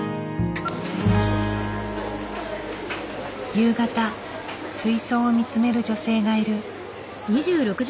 夕方水槽を見つめる女性がいる。